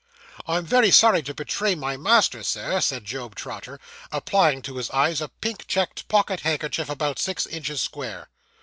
'I am very sorry to betray my master, sir,' said Job Trotter, applying to his eyes a pink checked pocket handkerchief about six inches square.